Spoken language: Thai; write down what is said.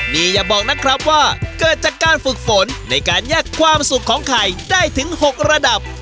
นี่อย่าบอกนะครับว่าเกิดจากการฝึกฝนในการแยกความสุขของไข่ได้ถึง๖ระดับ